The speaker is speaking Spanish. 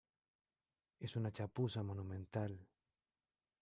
es una chapuza monumental